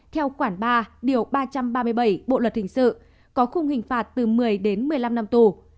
theo khoản ba điều ba trăm ba mươi bảy bộ luật hình sự có khung hình phạt từ một mươi đến một mươi năm năm tù